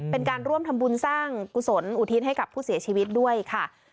เป็นการร่วมทำบุญสร้างกุศลอุทิศให้กับผู้เสียชีวิตด้วยค่ะ